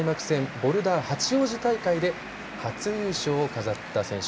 ボルダー八王子大会で初優勝を飾った選手。